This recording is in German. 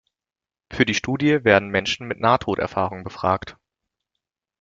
Für die Studie werden Menschen mit Nahtoderfahrung befragt.